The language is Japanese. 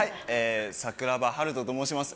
桜庭大翔と申します。